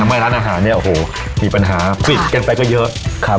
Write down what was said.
ไม่ร้านอาหารเนี่ยโอ้โหมีปัญหาปิดกันไปก็เยอะครับ